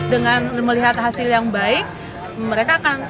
dengan melihat hasil yang baik mereka akan